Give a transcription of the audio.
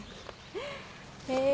へえ。